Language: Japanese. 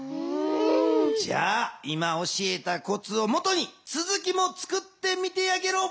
じゃあ今教えたコツをもとにつづきもつくってみてやゲロ。